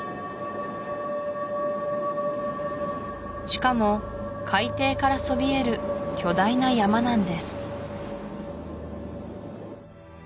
しかも海底からそびえる巨大な山なんです